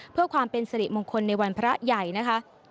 เพื่อความเป็นสิริมงคลในวันพระใหญ่นะคะ